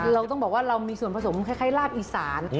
เราต้องบอกว่าเรามีส่วนผสมคล้ายลาบอีสาน